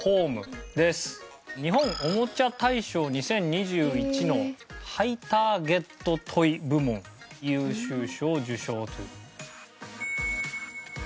日本おもちゃ大賞２０２１のハイターゲット・トイ部門優秀賞を受賞という。